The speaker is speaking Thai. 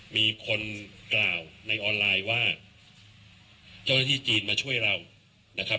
มีคนกล่าวในออนไลน์ว่าเจ้าหน้าที่จีนมาช่วยเรานะครับ